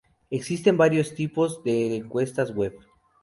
Existen varios tipos de encuestas web.